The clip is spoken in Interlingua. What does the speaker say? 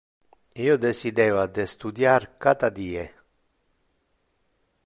Io decideva de studiar cata die.